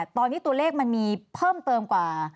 ตอนนี้ตัวเลขมันมีเพิ่มเติมกว่า